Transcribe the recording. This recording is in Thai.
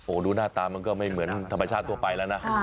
โอ้โหดูหน้าตามันก็ไม่เหมือนธรรมชาติทั่วไปแล้วนะ